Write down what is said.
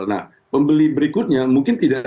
nah pembeli berikutnya mungkin tidak